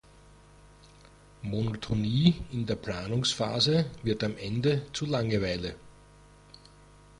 Monotonie in der Planungsphase wird am Ende zu Langeweile.